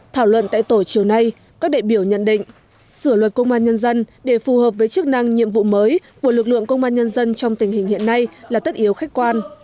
thảo luận tại tổ chiều nay các đại biểu nhận định sửa luật công an nhân dân để phù hợp với chức năng nhiệm vụ mới của lực lượng công an nhân dân trong tình hình hiện nay là tất yếu khách quan